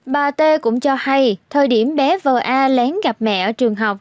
bà t cũng cho hay thời điểm bé vờ a lén gặp mẹ ở trường học